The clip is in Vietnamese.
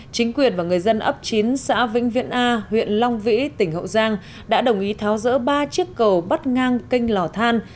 chính quyền và người dân ấp chín xã vĩnh viện a huyện long vĩ tỉnh hậu giang đã đồng ý tháo rỡ ba chiếc cầu bắt ngang kênh lò than